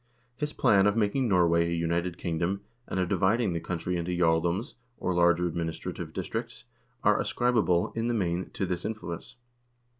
His plan of making Norway a united king dom, and of dividing the country into jarldoms, or larger adminis trative districts, are ascribable, in the main, to this influence.